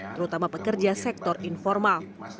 terutama pekerja sektor informal